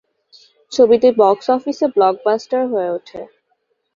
ছবিটি বক্স অফিসে ব্লকবাস্টার হয়ে ওঠে।